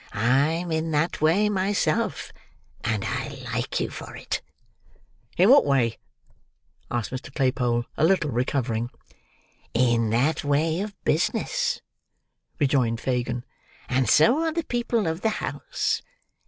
"I'm in that way myself, and I like you for it." "In what way?" asked Mr. Claypole, a little recovering. "In that way of business," rejoined Fagin; "and so are the people of the house.